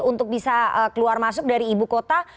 untuk bisa keluar masuk dari ibu kota